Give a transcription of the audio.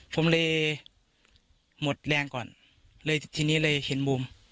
ผมเลยหมดแรงก่อนเลยทีนี้เลยเห็นบูม